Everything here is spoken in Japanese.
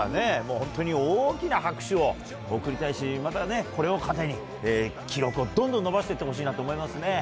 本当に大きな拍手を送りたいし、またこれを糧に記録をどんどん伸ばしてほしいと思いますね。